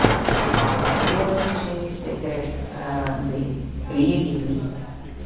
ما ورته وویل چې سګرټ مې پرې ایښي دي.